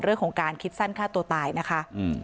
เรื่องของการคิดสั้นฆ่าตัวตายนะคะ